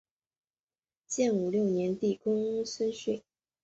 建武六年帝公孙述。